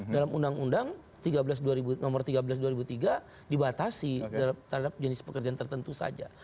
dalam undang undang nomor tiga belas dua ribu tiga dibatasi terhadap jenis pekerjaan tertentu saja